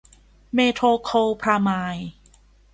เมโทโคลพราไมด์